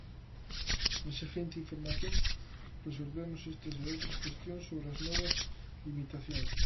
Na seguinte información resolvemos estas e outras cuestións sobre as novas limitacións.